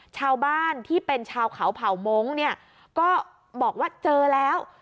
ชาวบ้านที่เป็นชาวเขาเผ่ามงค์เนี่ยก็บอกว่าเจอแล้ว